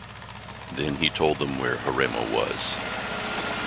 Then he told them where Herrema was.